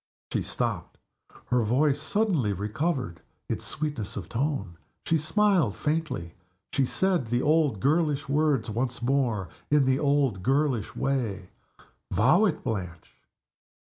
She stopped her voice suddenly recovered its sweetness of tone she smiled faintly she said the old girlish words once more, in the old girlish way, "Vow it, Blanche!"